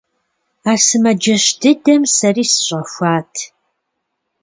А сымаджэщ дыдэм сэри сыщӀэхуат.